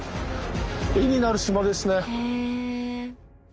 絵になる島ですね。